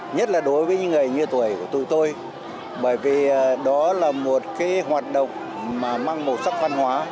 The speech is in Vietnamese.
nhất là đối với những người như tuổi của tụi tôi bởi vì đó là một cái hoạt động mà mang màu sắc văn hóa